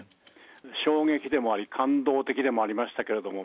衝撃でもあり、感動的でもありましたけれども。